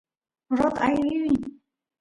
gorrot aay rini